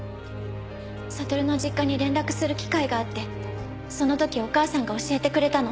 悟の実家に連絡する機会があってその時お母さんが教えてくれたの。